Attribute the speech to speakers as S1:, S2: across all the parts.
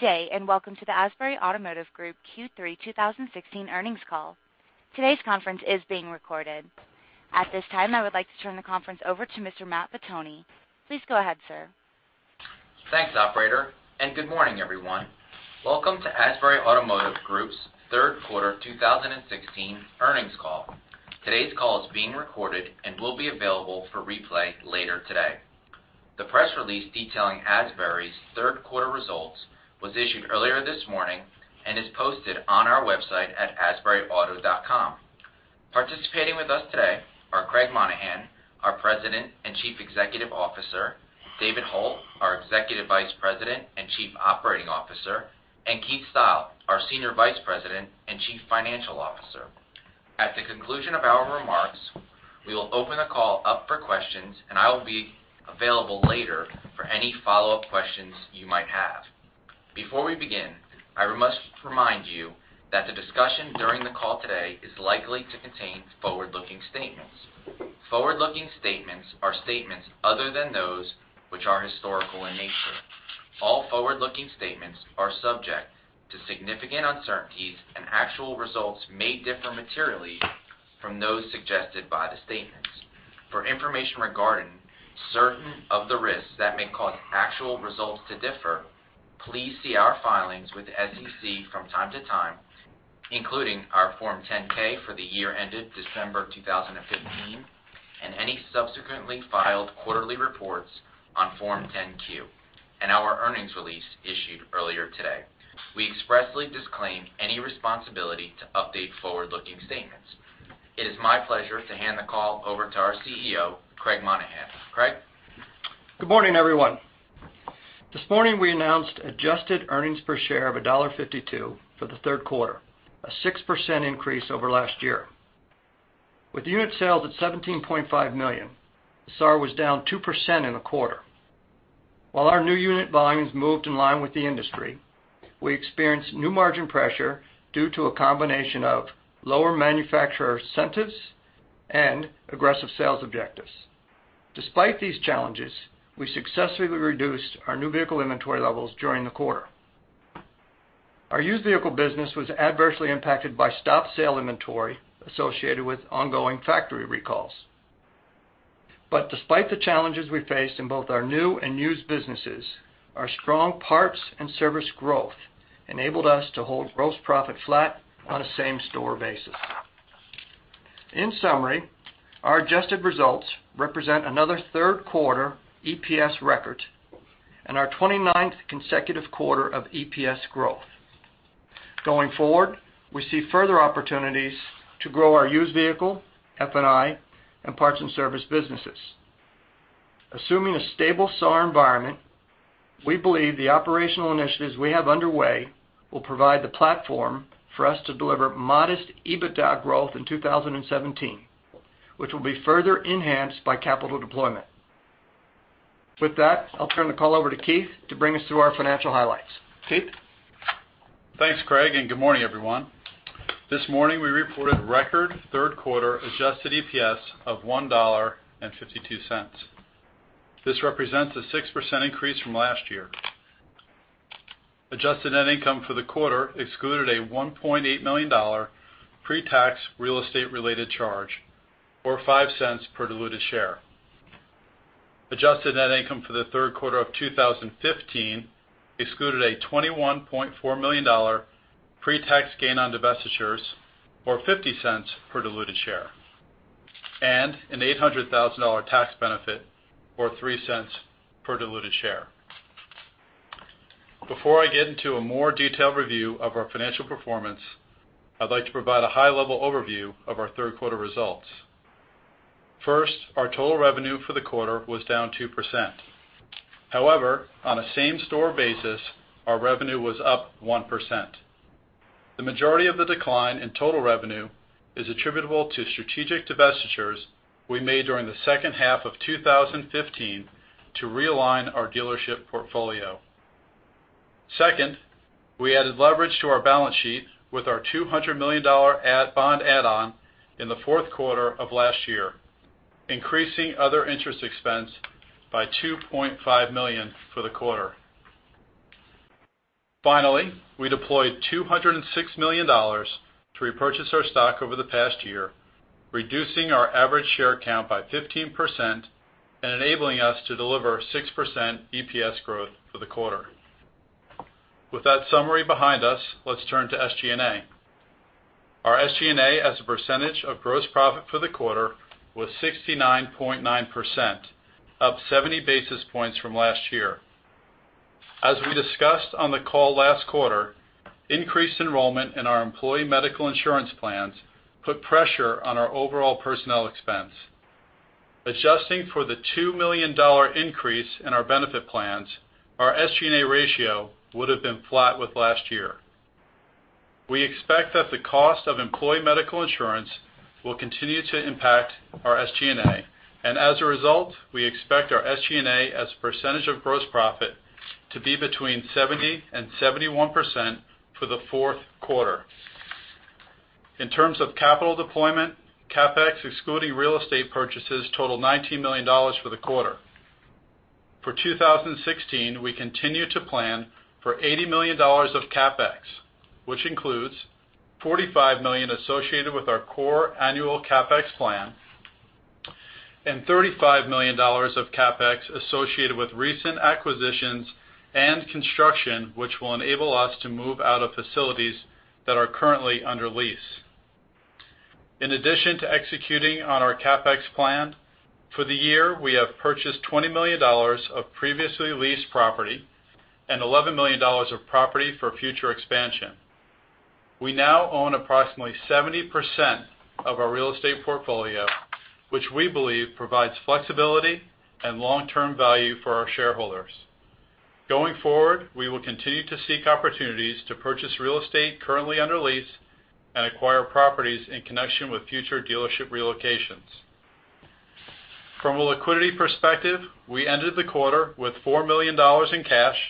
S1: day. Welcome to the Asbury Automotive Group Q3 2016 earnings call. Today's conference is being recorded. At this time, I would like to turn the conference over to Mr. Matt Pettoni. Please go ahead, sir.
S2: Thanks, operator. Good morning, everyone. Welcome to Asbury Automotive Group's third quarter 2016 earnings call. Today's call is being recorded and will be available for replay later today. The press release detailing Asbury's third quarter results was issued earlier this morning and is posted on our website at asburyauto.com. Participating with us today are Craig Monaghan, our President and Chief Executive Officer, David Hult, our Executive Vice President and Chief Operating Officer, and Keith Style, our Senior Vice President and Chief Financial Officer. At the conclusion of our remarks, we will open the call up for questions. I will be available later for any follow-up questions you might have. Before we begin, I must remind you that the discussion during the call today is likely to contain forward-looking statements. Forward-looking statements are statements other than those which are historical in nature. All forward-looking statements are subject to significant uncertainties. Actual results may differ materially from those suggested by the statements. For information regarding certain of the risks that may cause actual results to differ, please see our filings with the SEC from time to time, including our Form 10-K for the year ended December 2015, any subsequently filed quarterly reports on Form 10-Q, and our earnings release issued earlier today. We expressly disclaim any responsibility to update forward-looking statements. It is my pleasure to hand the call over to our CEO, Craig Monaghan. Craig?
S3: Good morning, everyone. This morning, we announced adjusted earnings per share of $1.52 for the third quarter, a 6% increase over last year. With unit sales at 17.5 million, the SAAR was down 2% in the quarter. While our new unit volumes moved in line with the industry, we experienced new margin pressure due to a combination of lower manufacturer incentives and aggressive sales objectives. Despite these challenges, we successfully reduced our new vehicle inventory levels during the quarter. Our used vehicle business was adversely impacted by stop sale inventory associated with ongoing factory recalls. Despite the challenges we faced in both our new and used businesses, our strong parts and service growth enabled us to hold gross profit flat on a same-store basis. In summary, our adjusted results represent another third-quarter EPS record and our 29th consecutive quarter of EPS growth. Going forward, we see further opportunities to grow our used vehicle, F&I, and parts and service businesses. Assuming a stable SAAR environment, we believe the operational initiatives we have underway will provide the platform for us to deliver modest EBITDA growth in 2017, which will be further enhanced by capital deployment. With that, I'll turn the call over to Keith to bring us through our financial highlights. Keith?
S4: Thanks, Craig, and good morning, everyone. This morning, we reported record third-quarter adjusted EPS of $1.52. This represents a 6% increase from last year. Adjusted net income for the quarter excluded a $1.8 million pre-tax, real estate-related charge, or $0.05 per diluted share. Adjusted net income for the third quarter of 2015 excluded a $21.4 million pre-tax gain on divestitures, or $0.50 per diluted share, and an $800,000 tax benefit, or $0.03 per diluted share. Before I get into a more detailed review of our financial performance, I'd like to provide a high-level overview of our third-quarter results. First, our total revenue for the quarter was down 2%. However, on a same-store basis, our revenue was up 1%. The majority of the decline in total revenue is attributable to strategic divestitures we made during the second half of 2015 to realign our dealership portfolio. Second, we added leverage to our balance sheet with our $200 million bond add-on in the fourth quarter of last year, increasing other interest expense by $2.5 million for the quarter. Finally, we deployed $206 million to repurchase our stock over the past year, reducing our average share count by 15% and enabling us to deliver 6% EPS growth for the quarter. With that summary behind us, let's turn to SG&A. Our SG&A as a percentage of gross profit for the quarter was 69.9%, up 70 basis points from last year. As we discussed on the call last quarter, increased enrollment in our employee medical insurance plans put pressure on our overall personnel expense. Adjusting for the $2 million increase in our benefit plans, our SG&A ratio would have been flat with last year. We expect that the cost of employee medical insurance will continue to impact our SG&A, and as a result, we expect our SG&A as a percentage of gross profit to be between 70% and 71% for the fourth quarter. In terms of capital deployment, CapEx, excluding real estate purchases, totaled $19 million for the quarter. For 2016, we continue to plan for $80 million of CapEx, which includes $45 million associated with our core annual CapEx plan and $35 million of CapEx associated with recent acquisitions and construction, which will enable us to move out of facilities that are currently under lease. In addition to executing on our CapEx plan, for the year, we have purchased $20 million of previously leased property and $11 million of property for future expansion. We now own approximately 70% of our real estate portfolio, which we believe provides flexibility and long-term value for our shareholders. We will continue to seek opportunities to purchase real estate currently under lease and acquire properties in connection with future dealership relocations. From a liquidity perspective, we ended the quarter with $4 million in cash,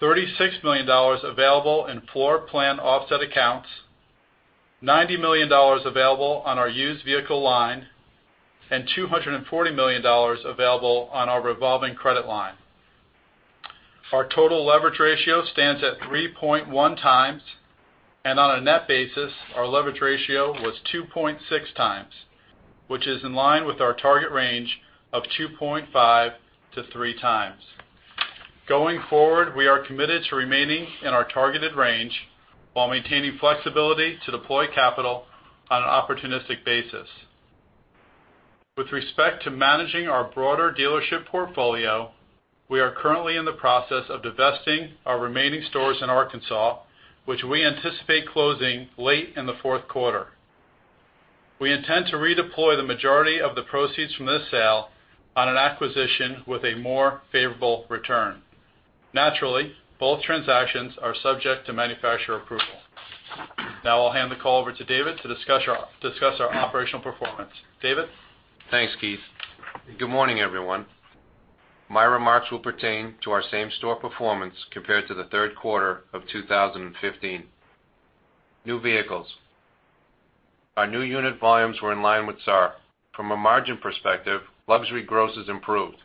S4: $36 million available in floor plan offset accounts, $90 million available on our used vehicle line, and $240 million available on our revolving credit line. Our total leverage ratio stands at 3.1 times, and on a net basis, our leverage ratio was 2.6 times, which is in line with our target range of 2.5 to 3 times. We are committed to remaining in our targeted range while maintaining flexibility to deploy capital on an opportunistic basis. With respect to managing our broader dealership portfolio, we are currently in the process of divesting our remaining stores in Arkansas, which we anticipate closing late in the fourth quarter. We intend to redeploy the majority of the proceeds from this sale on an acquisition with a more favorable return. Naturally, both transactions are subject to manufacturer approval. Now I'll hand the call over to David to discuss our operational performance. David?
S5: Thanks, Keith. Good morning, everyone. My remarks will pertain to our same-store performance compared to the third quarter of 2015. New vehicles. Our new unit volumes were in line with SAAR. From a margin perspective, luxury grosses improved.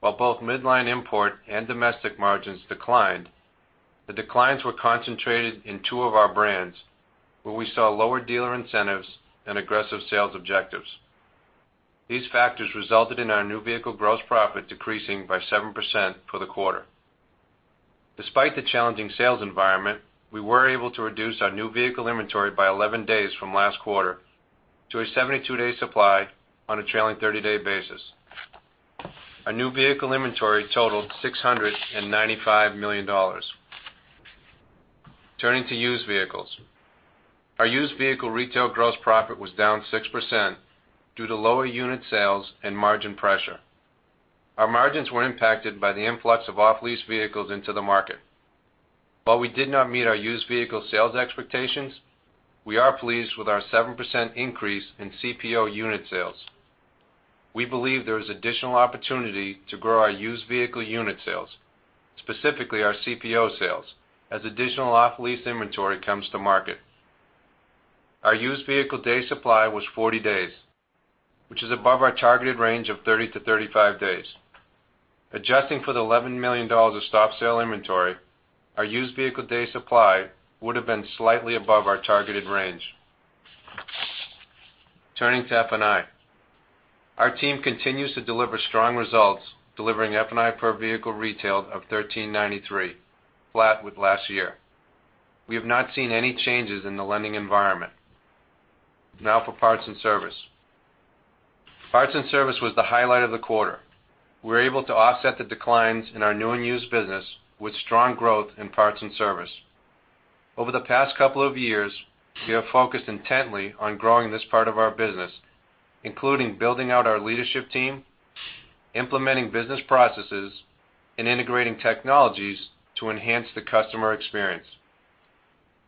S5: While both midline import and domestic margins declined, the declines were concentrated in two of our brands, where we saw lower dealer incentives and aggressive sales objectives. These factors resulted in our new vehicle gross profit decreasing by 7% for the quarter. Despite the challenging sales environment, we were able to reduce our new vehicle inventory by 11 days from last quarter to a 72-day supply on a trailing 30-day basis. Our new vehicle inventory totaled $695 million. Turning to used vehicles. Our used vehicle retail gross profit was down 6% due to lower unit sales and margin pressure. Our margins were impacted by the influx of off-lease vehicles into the market. While we did not meet our used vehicle sales expectations, we are pleased with our 7% increase in CPO unit sales. We believe there is additional opportunity to grow our used vehicle unit sales, specifically our CPO sales, as additional off-lease inventory comes to market. Our used vehicle day supply was 40 days, which is above our targeted range of 30 to 35 days. Adjusting for the $11 million of stop sale inventory, our used vehicle day supply would have been slightly above our targeted range. Turning to F&I. Our team continues to deliver strong results, delivering F&I per vehicle retail of $1,393, flat with last year. We have not seen any changes in the lending environment. For parts and service. Parts and service was the highlight of the quarter. We were able to offset the declines in our new and used business with strong growth in parts and service. Over the past couple of years, we have focused intently on growing this part of our business, including building out our leadership team, implementing business processes, and integrating technologies to enhance the customer experience.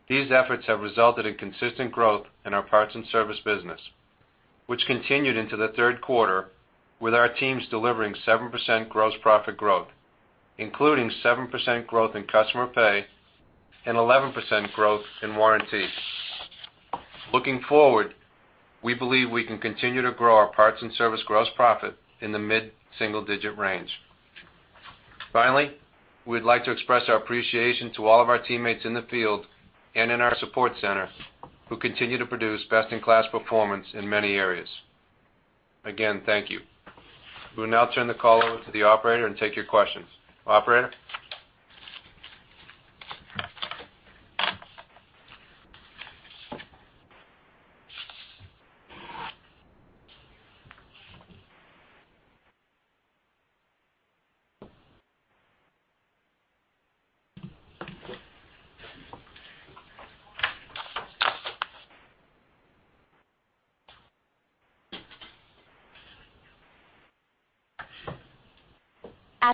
S5: These efforts have resulted in consistent growth in our parts and service business, which continued into the third quarter with our teams delivering 7% gross profit growth, including 7% growth in customer pay and 11% growth in warranty. Looking forward, we believe we can continue to grow our parts and service gross profit in the mid-single-digit range. Finally, we'd like to express our appreciation to all of our teammates in the field and in our support center who continue to produce best-in-class performance in many areas. Again, thank you. We'll now turn the call over to the operator and take your questions. Operator?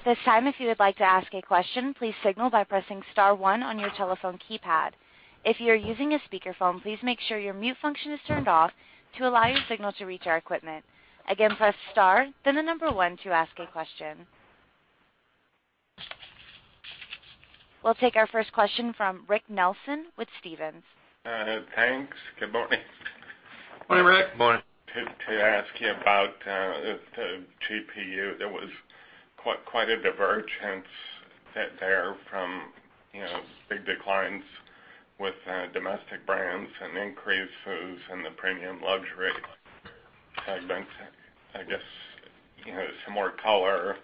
S1: At this time, if you would like to ask a question, please signal by pressing *1 on your telephone keypad. If you are using a speakerphone, please make sure your mute function is turned off to allow your signal to reach our equipment. Again, press *, then the number one to ask a question. We'll take our first question from Rick Nelson with Stephens.
S6: Thanks. Good morning.
S3: Morning, Rick.
S5: Morning.
S6: To ask you about the GPU. There was quite a divergence there from big declines with domestic brands and increases in the premium luxury segments. I guess, some more color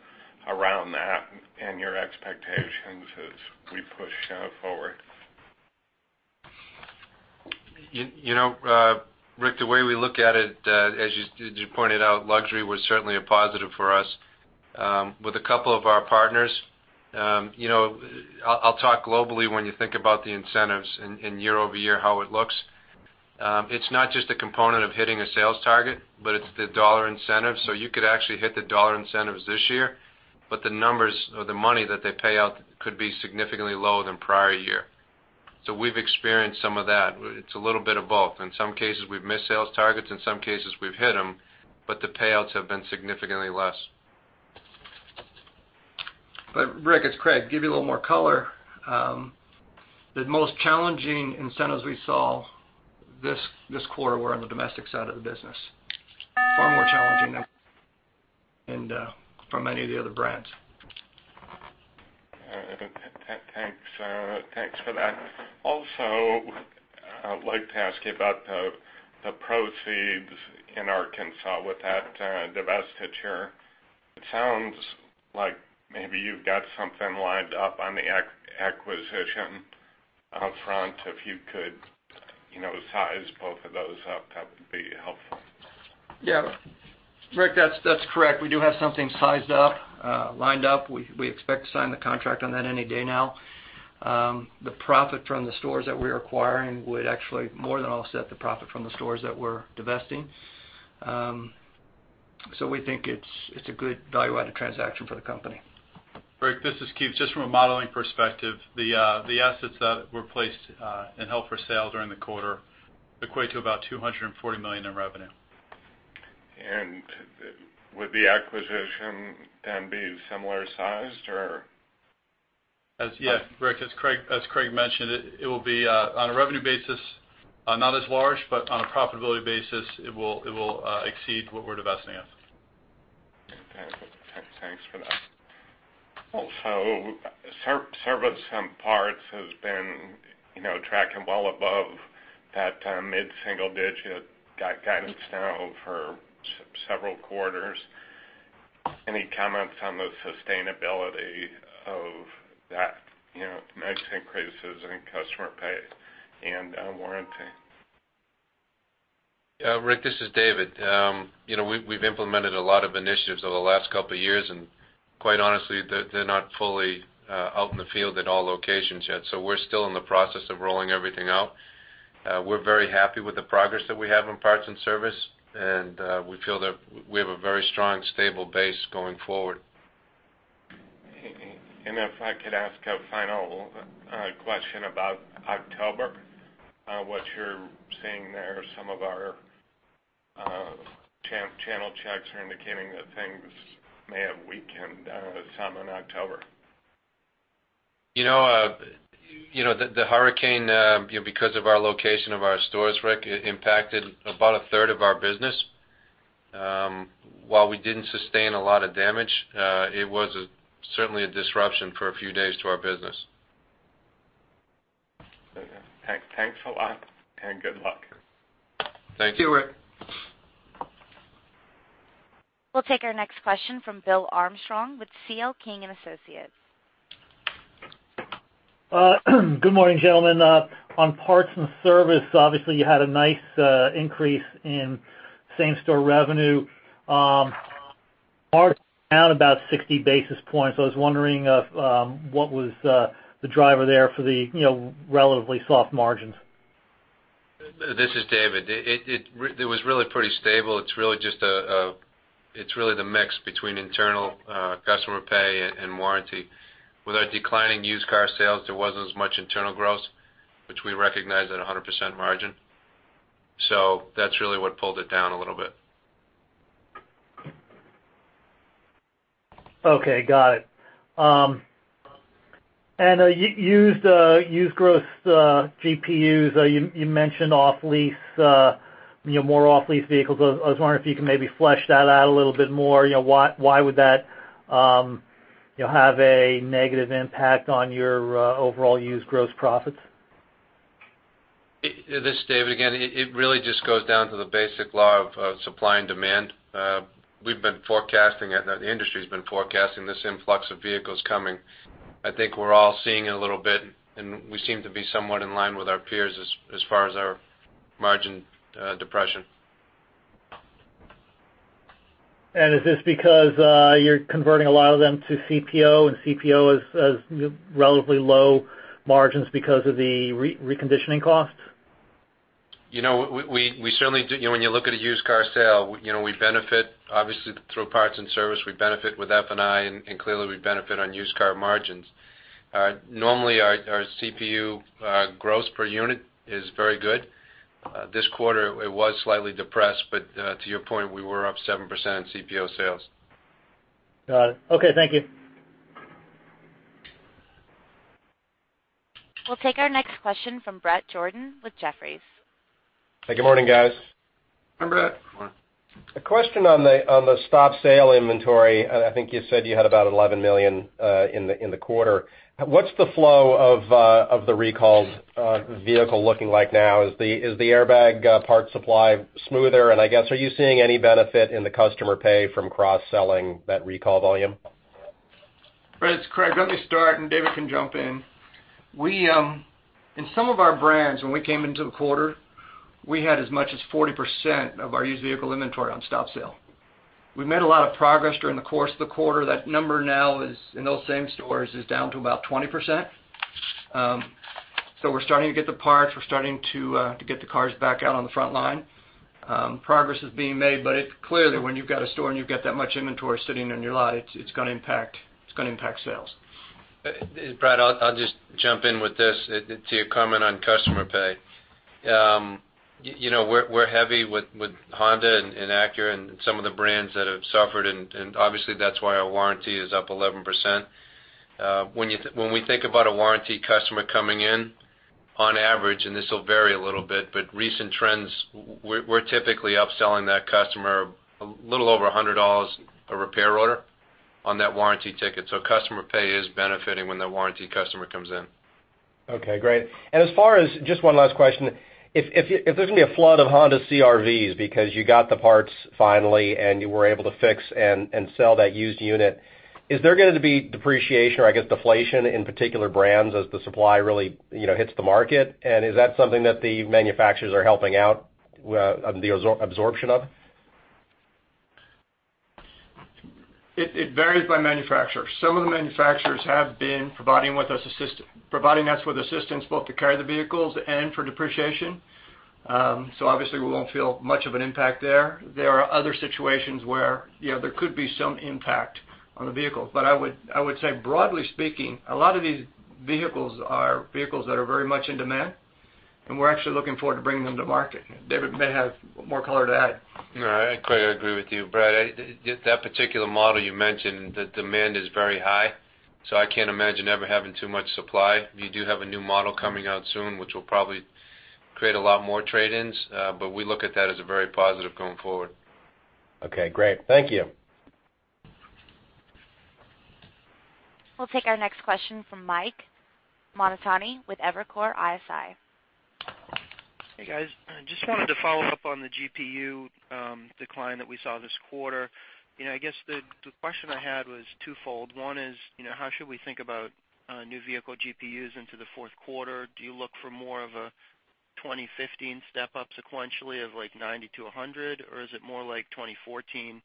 S6: around that and your expectations as we push forward.
S5: Rick, the way we look at it, as you pointed out, luxury was certainly a positive for us with a couple of our partners. I'll talk globally when you think about the incentives and year-over-year how it looks. It's not just a component of hitting a sales target, but it's the dollar incentive. You could actually hit the dollar incentives this year, but the numbers or the money that they pay out could be significantly lower than prior year. We've experienced some of that. It's a little bit of both. In some cases, we've missed sales targets, in some cases we've hit them, but the payouts have been significantly less.
S3: Rick, it's Craig. Give you a little more color. The most challenging incentives we saw this quarter were on the domestic side of the business, far more challenging than from any of the other brands.
S6: Thanks for that. Also, I'd like to ask you about the proceeds in Arkansas with that divestiture. It sounds like maybe you've got something lined up on the acquisition up front. If you could size both of those up, that would be helpful.
S3: Yeah. Rick, that's correct. We do have something sized up, lined up. We expect to sign the contract on that any day now. The profit from the stores that we're acquiring would actually more than offset the profit from the stores that we're divesting. We think it's a good value-added transaction for the company.
S4: Rick, this is Keith. Just from a modeling perspective, the assets that were placed in held for sale during the quarter equate to about $240 million in revenue.
S6: Would the acquisition then be similar sized, or?
S4: Rick, as Craig mentioned, it will be, on a revenue basis, not as large, but on a profitability basis, it will exceed what we're divesting at.
S6: Okay. Thanks for that. Service and parts has been tracking well above that mid-single digit guidance now for several quarters. Any comments on the sustainability of that? Margin increases in customer pay and warranty.
S5: Rick, this is David. We've implemented a lot of initiatives over the last couple of years, quite honestly, they're not fully out in the field at all locations yet, we're still in the process of rolling everything out. We're very happy with the progress that we have on parts and service, we feel that we have a very strong, stable base going forward.
S6: If I could ask a final question about October, what you're seeing there. Some of our channel checks are indicating that things may have weakened some in October.
S5: The hurricane, because of our location of our stores, Rick, impacted about a third of our business. While we didn't sustain a lot of damage, it was certainly a disruption for a few days to our business.
S6: Okay. Thanks a lot. Good luck.
S5: Thank you, Rick.
S1: We'll take our next question from Bill Armstrong with C.L. King & Associates.
S7: Good morning, gentlemen. On parts and service, obviously, you had a nice increase in same-store revenue, down about 60 basis points. I was wondering, what was the driver there for the relatively soft margins?
S5: This is David. It was really pretty stable. It's really the mix between internal customer pay and warranty. With our declining used car sales, there wasn't as much internal growth, which we recognize at 100% margin. That's really what pulled it down a little bit.
S7: Okay, got it. Used gross GPUs. You mentioned more off-lease vehicles. I was wondering if you could maybe flesh that out a little bit more. Why would that have a negative impact on your overall used gross profits?
S5: This is David again. It really just goes down to the basic law of supply and demand. We've been forecasting it. The industry's been forecasting this influx of vehicles coming. I think we're all seeing it a little bit, and we seem to be somewhat in line with our peers as far as our margin depression.
S7: Is this because you're converting a lot of them to CPO and CPO has relatively low margins because of the reconditioning cost?
S5: When you look at a used car sale, we benefit obviously through parts and service. We benefit with F&I, and clearly we benefit on used car margins. Normally, our GPU, gross per unit, is very good.
S3: This quarter, it was slightly depressed, but to your point, we were up 7% in CPO sales.
S7: Got it. Okay, thank you.
S1: We'll take our next question from Bret Jordan with Jefferies.
S8: Hey, good morning, guys.
S3: Hi, Bret.
S8: A question on the stop sale inventory. I think you said you had about $11 million in the quarter. What's the flow of the recalled vehicle looking like now? Is the airbag part supply smoother? I guess, are you seeing any benefit in the customer pay from cross-selling that recall volume?
S3: Bret, it's Craig. Let me start, and David can jump in. In some of our brands, when we came into the quarter, we had as much as 40% of our used vehicle inventory on stop sale. We made a lot of progress during the course of the quarter. That number now, in those same stores, is down to about 20%. We're starting to get the parts. We're starting to get the cars back out on the front line. Progress is being made, it's clear that when you've got a store and you've got that much inventory sitting in your lot, it's going to impact sales.
S5: Bret, I'll just jump in with this to your comment on customer pay. We're heavy with Honda and Acura and some of the brands that have suffered, and obviously, that's why our warranty is up 11%. When we think about a warranty customer coming in, on average, and this will vary a little bit, but recent trends, we're typically upselling that customer a little over $100 a repair order on that warranty ticket. Customer pay is benefiting when the warranty customer comes in.
S8: Okay, great. Just one last question, if there's going to be a flood of Honda CR-Vs because you got the parts finally, and you were able to fix and sell that used unit, is there going to be depreciation or, I guess, deflation in particular brands as the supply really hits the market? Is that something that the manufacturers are helping out on the absorption of?
S3: It varies by manufacturer. Some of the manufacturers have been providing us with assistance both to carry the vehicles and for depreciation. Obviously, we won't feel much of an impact there. There are other situations where there could be some impact on the vehicles. I would say, broadly speaking, a lot of these vehicles are vehicles that are very much in demand, and we're actually looking forward to bringing them to market. David may have more color to add.
S5: No, Craig, I agree with you, Bret. That particular model you mentioned, the demand is very high, so I can't imagine ever having too much supply. We do have a new model coming out soon, which will probably create a lot more trade-ins. We look at that as very positive going forward.
S8: Okay, great. Thank you.
S1: We'll take our next question from Mike Montani with Evercore ISI.
S9: Hey, guys. Just wanted to follow up on the GPU decline that we saw this quarter. I guess the question I had was twofold. One is, how should we think about new vehicle GPUs into the fourth quarter? Do you look for more of a 2015 step up sequentially of like $90-$100? Or is it more like 2014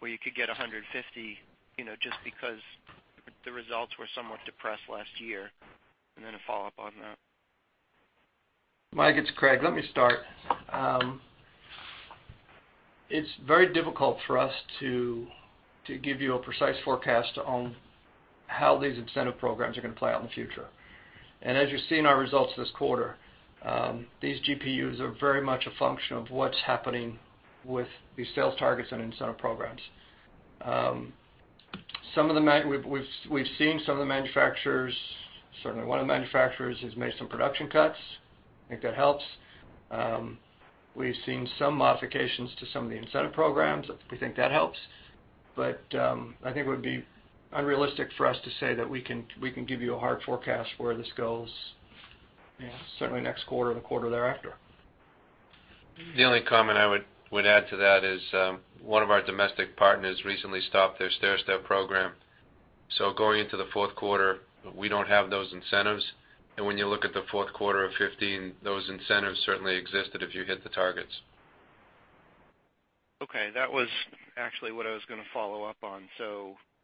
S9: where you could get $150, just because the results were somewhat depressed last year? A follow-up on that.
S3: Mike, it's Craig. Let me start. It's very difficult for us to give you a precise forecast on how these incentive programs are going to play out in the future. As you see in our results this quarter, these GPUs are very much a function of what's happening with these sales targets and incentive programs. We've seen some of the manufacturers, certainly one of the manufacturers, has made some production cuts. I think that helps. We've seen some modifications to some of the incentive programs. We think that helps. I think it would be unrealistic for us to say that we can give you a hard forecast where this goes, certainly next quarter or the quarter thereafter.
S5: The only comment I would add to that is, one of our domestic partners recently stopped their stair step program. Going into the fourth quarter, we don't have those incentives. When you look at the fourth quarter of 2015, those incentives certainly existed if you hit the targets.
S9: Okay. That was actually what I was going to follow up on.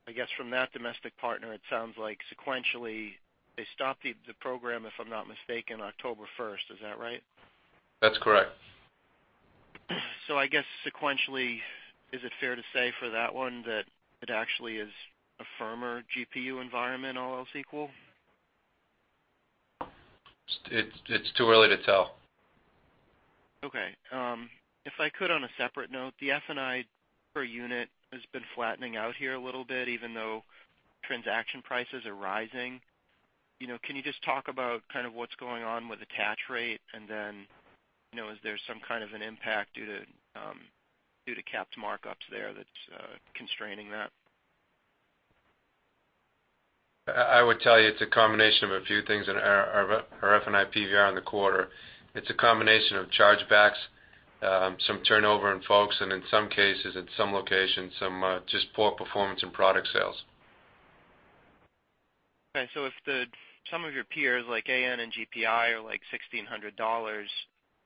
S9: I guess from that domestic partner, it sounds like sequentially they stopped the program, if I'm not mistaken, October 1st. Is that right?
S5: That's correct.
S9: I guess sequentially, is it fair to say for that one that it actually is a firmer GPU environment, all else equal?
S5: It's too early to tell.
S9: Okay. If I could on a separate note, the F&I per unit has been flattening out here a little bit, even though transaction prices are rising. Can you just talk about what's going on with attach rate? Is there some kind of an impact due to capped markups there that's constraining that?
S5: I would tell you it's a combination of a few things in our F&I PVR in the quarter. It's a combination of chargebacks, some turnover in folks, and in some cases, at some locations, some just poor performance in product sales.
S9: Okay. If some of your peers, like AN and GPI, are like $1,600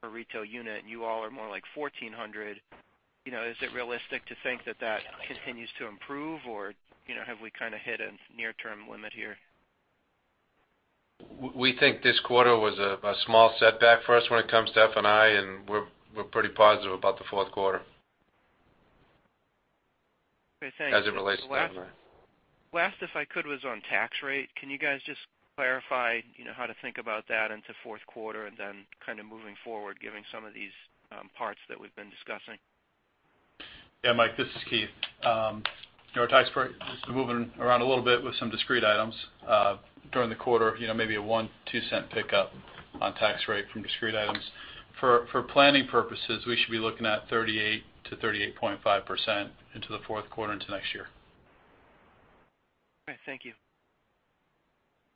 S9: per retail unit, and you all are more like $1,400, is it realistic to think that that continues to improve, or have we hit a near-term limit here?
S5: We think this quarter was a small setback for us when it comes to F&I, and we're pretty positive about the fourth quarter.
S9: Great. Thanks.
S5: As it relates to that, right?
S9: Last, if I could, was on tax rate. Can you guys just clarify how to think about that into fourth quarter and then moving forward, giving some of these parts that we've been discussing?
S4: Yeah, Mike, this is Keith. Our tax rate is moving around a little bit with some discrete items during the quarter, maybe a $0.01, $0.02 pickup on tax rate from discrete items. For planning purposes, we should be looking at 38%-38.5% into the fourth quarter into next year.
S9: Okay. Thank you.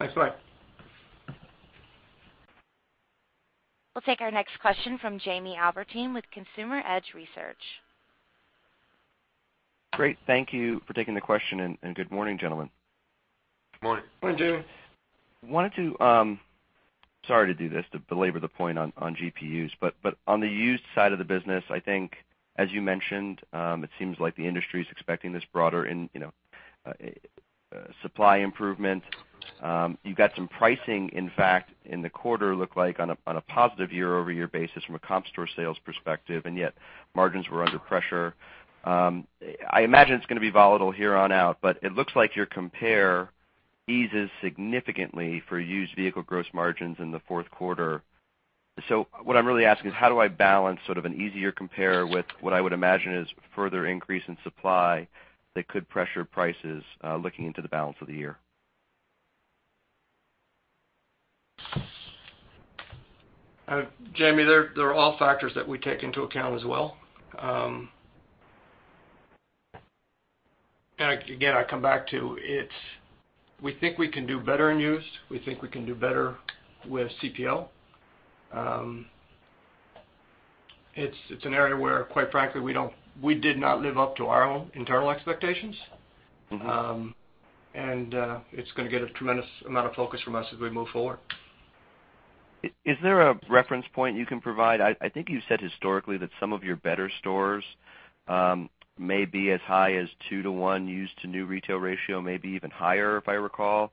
S4: Thanks, Mike.
S1: We'll take our next question from Jamie Albertine with Consumer Edge Research.
S10: Great. Thank you for taking the question. Good morning, gentlemen.
S5: Morning.
S4: Morning, Jamie.
S10: I wanted to, sorry to do this, to belabor the point on GPUs. On the used side of the business, I think as you mentioned, it seems like the industry's expecting this broader supply improvement. You got some pricing, in fact, in the quarter looked like on a positive year-over-year basis from a comp store sales perspective. Yet margins were under pressure. I imagine it's going to be volatile here on out. It looks like your compare eases significantly for used vehicle gross margins in the fourth quarter. What I'm really asking is how do I balance sort of an easier compare with what I would imagine is further increase in supply that could pressure prices, looking into the balance of the year?
S3: Jamie, they're all factors that we take into account as well. Again, I come back to, we think we can do better in used. We think we can do better with CPO. It's an area where, quite frankly, we did not live up to our own internal expectations. It's going to get a tremendous amount of focus from us as we move forward.
S10: Is there a reference point you can provide? I think you said historically that some of your better stores may be as high as a 2 to 1 used to new retail ratio, maybe even higher, if I recall.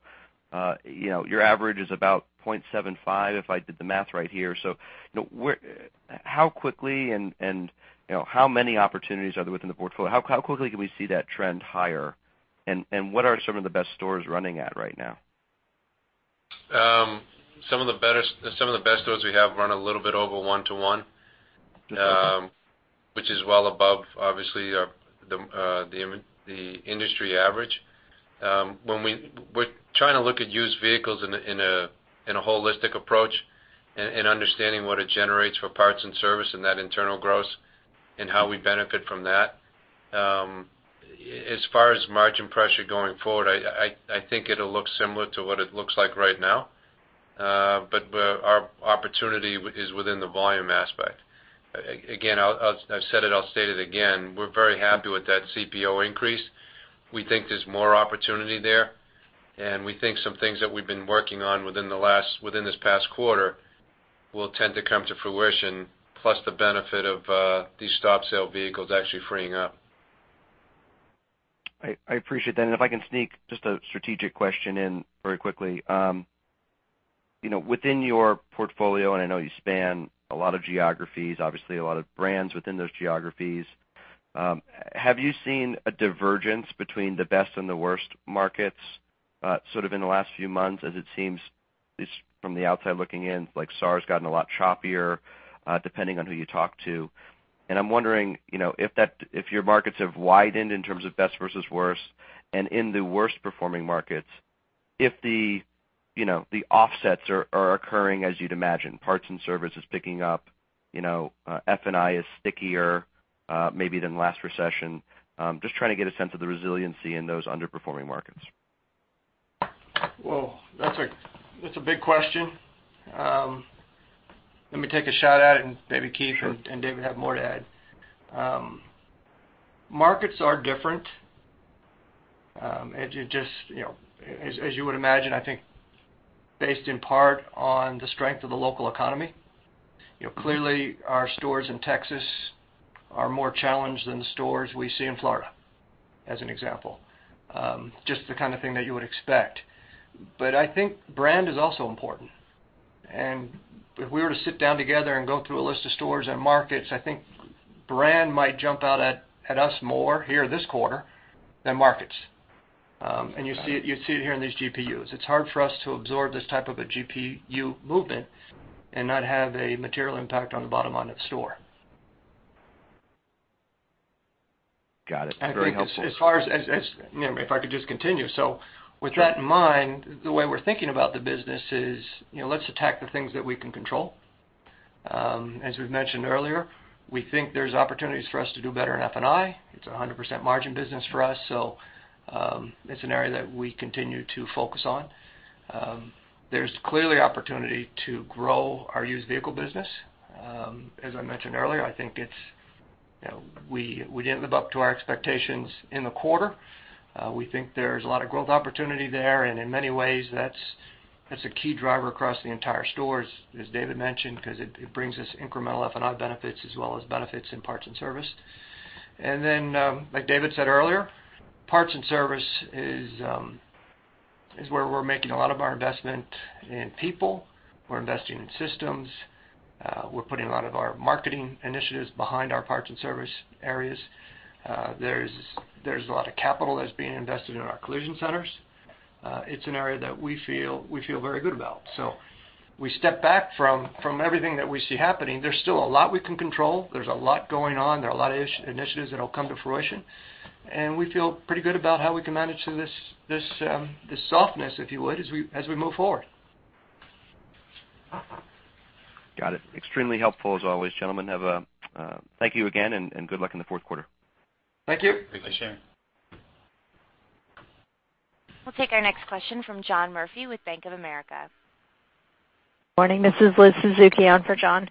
S10: Your average is about 0.75, if I did the math right here. How quickly, and how many opportunities are there within the portfolio? How quickly can we see that trend higher? What are some of the best stores running at right now?
S5: Some of the best stores we have run a little bit over 1 to 1.
S10: Okay
S5: which is well above, obviously, the industry average. We're trying to look at used vehicles in a holistic approach and understanding what it generates for parts and service and that internal gross and how we benefit from that. As far as margin pressure going forward, I think it'll look similar to what it looks like right now. Our opportunity is within the volume aspect. Again, I've said it, I'll state it again, we're very happy with that CPO increase. We think there's more opportunity there, and we think some things that we've been working on within this past quarter will tend to come to fruition, plus the benefit of these stop sale vehicles actually freeing up.
S10: I appreciate that. If I can sneak just a strategic question in very quickly. Within your portfolio, and I know you span a lot of geographies, obviously a lot of brands within those geographies, have you seen a divergence between the best and the worst markets sort of in the last few months? As it seems, at least from the outside looking in, like SAAR has gotten a lot choppier depending on who you talk to. I'm wondering if your markets have widened in terms of best versus worst, and in the worst-performing markets, if the offsets are occurring as you'd imagine, parts and service is picking up, F&I is stickier maybe than last recession. Just trying to get a sense of the resiliency in those underperforming markets.
S3: Well, that's a big question. Let me take a shot at it, and maybe Keith and David have more to add. Markets are different. As you would imagine, I think based in part on the strength of the local economy. Clearly, our stores in Texas are more challenged than the stores we see in Florida, as an example. Just the kind of thing that you would expect. I think brand is also important. If we were to sit down together and go through a list of stores and markets, I think brand might jump out at us more here this quarter than markets. You see it here in these GPUs. It's hard for us to absorb this type of a GPU movement and not have a material impact on the bottom line at store.
S10: Got it. Very helpful.
S3: With that in mind, the way we're thinking about the business is, let's attack the things that we can control. As we've mentioned earlier, we think there's opportunities for us to do better in F&I. It's a 100% margin business for us, it's an area that we continue to focus on. There's clearly opportunity to grow our used vehicle business. As I mentioned earlier, I think we didn't live up to our expectations in the quarter. We think there's a lot of growth opportunity there, in many ways, that's a key driver across the entire stores, as David mentioned, because it brings us incremental F&I benefits as well as benefits in parts and service. Like David said earlier, parts and service is
S5: Parts and service is where we're making a lot of our investment in people. We're investing in systems. We're putting a lot of our marketing initiatives behind our parts and service areas. There's a lot of capital that's being invested in our collision centers. It's an area that we feel very good about. We step back from everything that we see happening. There's still a lot we can control. There's a lot going on. There are a lot of initiatives that'll come to fruition, we feel pretty good about how we can manage through this softness, if you would, as we move forward.
S10: Got it. Extremely helpful as always, gentlemen. Thank you again, good luck in the fourth quarter.
S3: Thank you.
S5: Thank you.
S4: Thanks for sharing.
S1: We'll take our next question from John Murphy with Bank of America.
S11: Morning, this is Liz Suzuki on for John.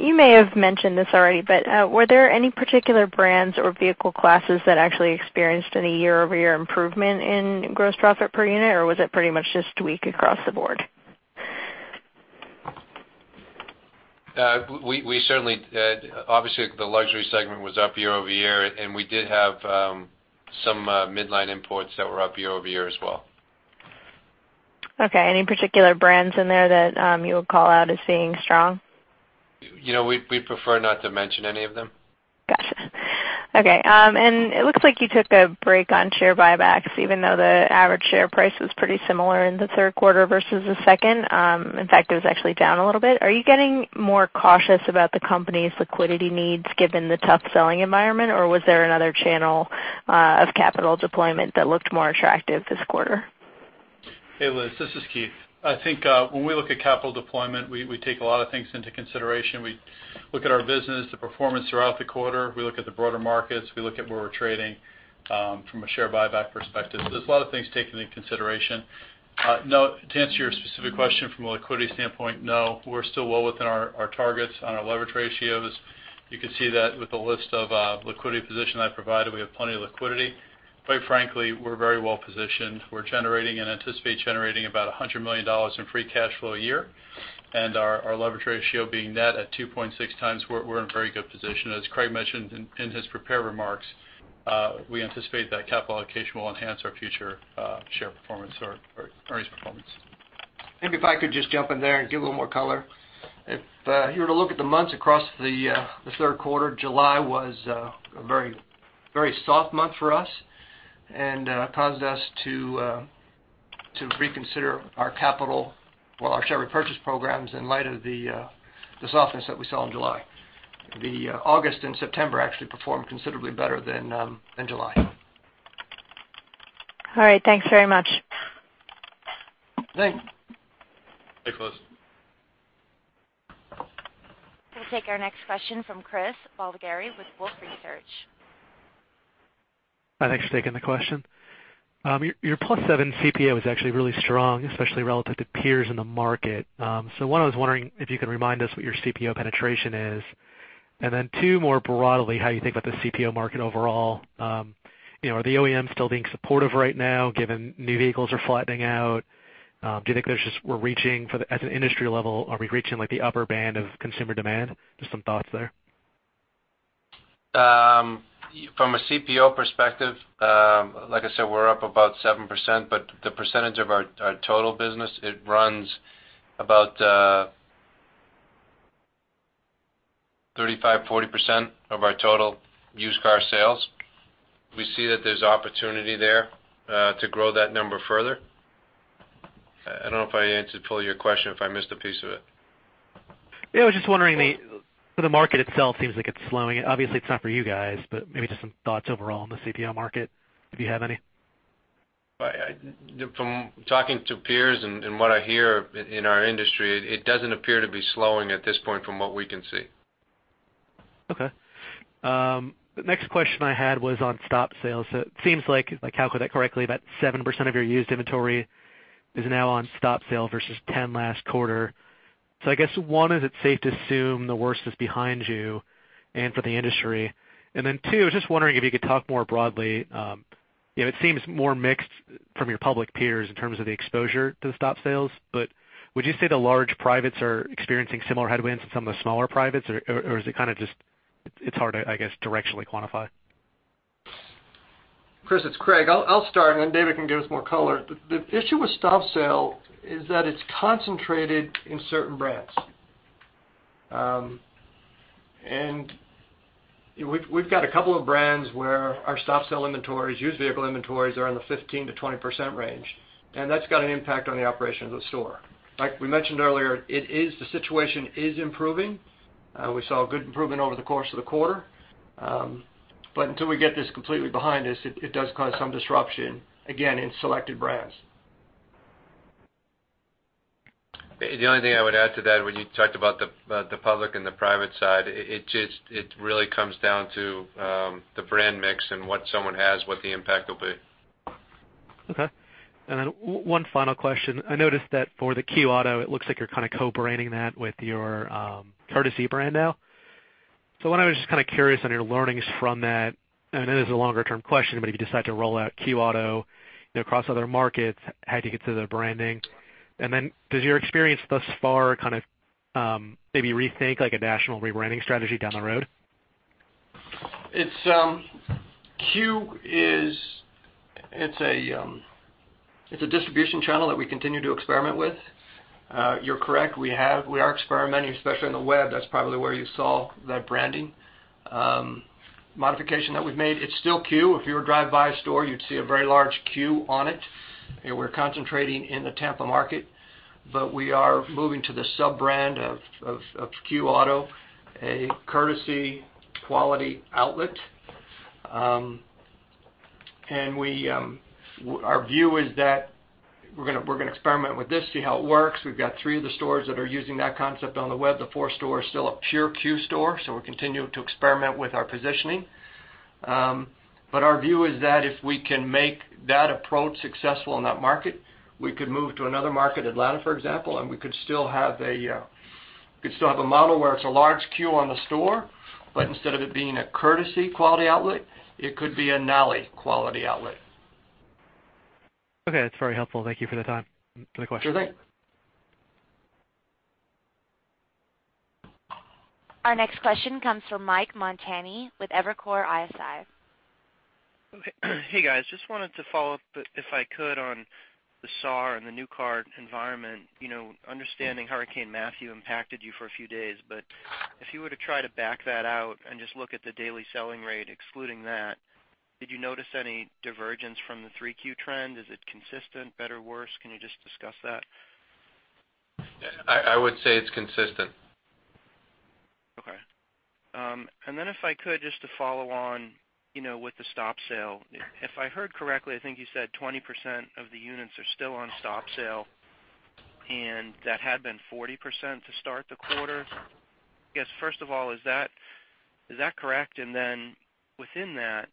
S11: You may have mentioned this already, but were there any particular brands or vehicle classes that actually experienced any year-over-year improvement in gross profit per unit, or was it pretty much just weak across the board?
S5: The luxury segment was up year-over-year, and we did have some midline imports that were up year-over-year as well.
S11: Any particular brands in there that you would call out as being strong?
S5: We prefer not to mention any of them.
S11: Got it. It looks like you took a break on share buybacks even though the average share price was pretty similar in the third quarter versus the second. In fact, it was actually down a little bit. Are you getting more cautious about the company's liquidity needs given the tough selling environment, or was there another channel of capital deployment that looked more attractive this quarter?
S4: Hey, Liz. This is Keith. I think when we look at capital deployment, we take a lot of things into consideration. We look at our business, the performance throughout the quarter. We look at the broader markets. We look at where we're trading from a share buyback perspective. There's a lot of things taken into consideration. To answer your specific question from a liquidity standpoint, no, we're still well within our targets on our leverage ratios. You can see that with the list of liquidity position I provided. We have plenty of liquidity. Quite frankly, we're very well-positioned. We're generating and anticipate generating about $100 million in free cash flow a year, and our leverage ratio being net at 2.6 times, we're in a very good position. As Craig mentioned in his prepared remarks, we anticipate that capital allocation will enhance our future share performance or earnings performance.
S3: Maybe if I could just jump in there and give a little more color. If you were to look at the months across the third quarter, July was a very soft month for us and caused us to reconsider our capital or our share repurchase programs in light of the softness that we saw in July. The August and September actually performed considerably better than July.
S11: All right. Thanks very much.
S3: Thanks.
S5: Thank you, Liz.
S1: We'll take our next question from Chris Valdgari with Wolfe Research.
S12: Thanks for taking the question. Your plus seven CPO is actually really strong, especially relative to peers in the market. One, I was wondering if you can remind us what your CPO penetration is, two, more broadly, how you think about the CPO market overall. Are the OEMs still being supportive right now given new vehicles are flattening out? Do you think at an industry level, are we reaching the upper band of consumer demand? Just some thoughts there.
S5: From a CPO perspective, like I said, we're up about 7%, but the percentage of our total business, it runs about 35%, 40% of our total used car sales. We see that there's opportunity there to grow that number further. I don't know if I answered fully your question, if I missed a piece of it.
S12: Yeah, I was just wondering, the market itself seems like it's slowing. Obviously, it's not for you guys, but maybe just some thoughts overall on the CPO market, if you have any.
S5: From talking to peers and what I hear in our industry, it doesn't appear to be slowing at this point from what we can see.
S12: Okay. The next question I had was on stop sales. It seems like, if I calculate correctly, about 7% of your used inventory is now on stop sale versus 10% last quarter. I guess one, is it safe to assume the worst is behind you and for the industry? Two, I was just wondering if you could talk more broadly. It seems more mixed from your public peers in terms of the exposure to the stop sales, but would you say the large privates are experiencing similar headwinds to some of the smaller privates, or it's hard to, I guess, directionally quantify?
S3: Chris, it's Craig. I'll start, and then David can give us more color. The issue with stop sale is that it's concentrated in certain brands. We've got a couple of brands where our stop sale inventories, used vehicle inventories are in the 15%-20% range, and that's got an impact on the operation of the store. Like we mentioned earlier, the situation is improving. We saw good improvement over the course of the quarter. Until we get this completely behind us, it does cause some disruption, again, in selected brands.
S5: The only thing I would add to that, when you talked about the public and the private side, it really comes down to the brand mix and what someone has, what the impact will be.
S12: One final question. I noticed that for the Q auto, it looks like you're kind of co-branding that with your Courtesy brand now. One, I was just kind of curious on your learnings from that, I know this is a longer-term question, but if you decide to roll out Q auto across other markets, how do you consider the branding? Does your experience thus far kind of maybe rethink a national rebranding strategy down the road?
S3: Q is a distribution channel that we continue to experiment with. You're correct, we are experimenting, especially on the web. That's probably where you saw that branding modification that we've made. It's still Q. If you were to drive by a store, you'd see a very large Q on it. We're concentrating in the Tampa market. We are moving to the sub-brand of Q auto, a Courtesy quality outlet. Our view is that we're going to experiment with this, see how it works. We've got three of the stores that are using that concept on the web. The fourth store is still a pure Q store; we're continuing to experiment with our positioning. Our view is that if we can make that approach successful in that market, we could move to another market, Atlanta, for example. We could still have a model where it's a large Q on the store, but instead of it being a Courtesy quality outlet, it could be a Nalley quality outlet.
S12: Okay. That's very helpful. Thank you for the question.
S3: Sure thing.
S1: Our next question comes from Mike Montani with Evercore ISI.
S9: Hey, guys. Just wanted to follow up, if I could, on the SAAR and the new car environment. Understanding Hurricane Matthew impacted you for a few days, but if you were to try to back that out and just look at the daily selling rate excluding that, did you notice any divergence from the 3Q trend? Is it consistent, better, worse? Can you just discuss that?
S3: I would say it's consistent.
S9: Okay. Then if I could, just to follow on, with the stop sale. If I heard correctly, I think you said 20% of the units are still on stop sale, and that had been 40% to start the quarter. I guess, first of all, is that correct? Then within that,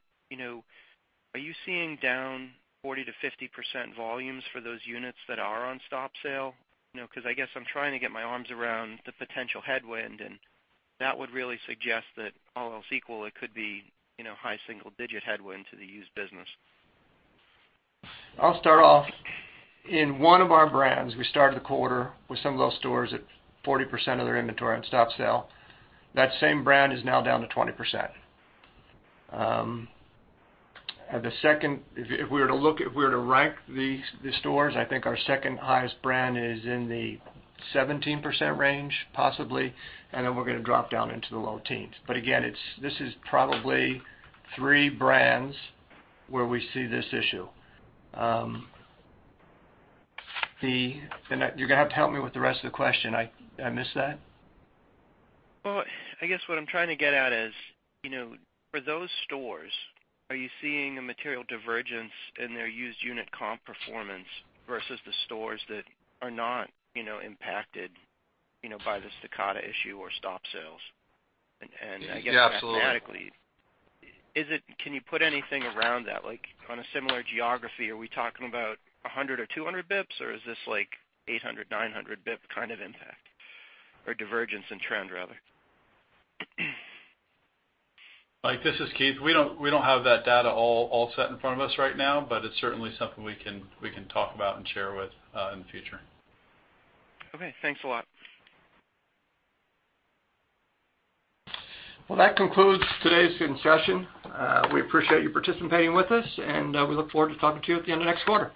S9: are you seeing down 40%-50% volumes for those units that are on stop sale? Because I guess I'm trying to get my arms around the potential headwind, and that would really suggest that all else equal, it could be high single-digit headwind to the used business.
S3: I'll start off. In one of our brands, we started the quarter with some of those stores at 40% of their inventory on stop sale. That same brand is now down to 20%. If we were to rank the stores, I think our second highest brand is in the 17% range, possibly, and then we're going to drop down into the low teens. Again, this is probably three brands where we see this issue. You're going to have to help me with the rest of the question. I missed that.
S9: Well, I guess what I'm trying to get at is, for those stores, are you seeing a material divergence in their used unit comp performance versus the stores that are not impacted by the stop sale issue or stop sales?
S3: Yeah, absolutely.
S9: I guess, mathematically, can you put anything around that? Like on a similar geography, are we talking about 100 or 200 bips or is this like 800, 900 bip kind of impact or divergence in trend, rather?
S4: Mike, this is Keith. We don't have that data all set in front of us right now, it's certainly something we can talk about and share in the future.
S9: Okay. Thanks a lot.
S3: That concludes today's session. We appreciate you participating with us, we look forward to talking to you at the end of next quarter.